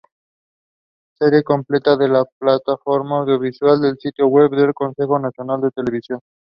Serie completa en la Plataforma Audiovisual del sitio web del Consejo Nacional de Televisión